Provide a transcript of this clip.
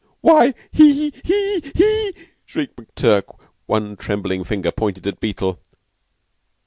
"Why, he he he," shrieked McTurk, one trembling finger pointed at Beetle.